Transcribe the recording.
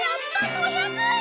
５００円！